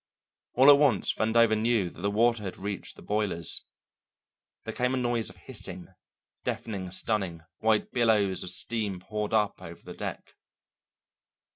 All at once Vandover knew that the water had reached the boilers; there came a noise of hissing: deafening, stunning; white billows of steam poured up over the deck.